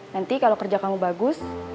nanti kalau kerja kamu bagus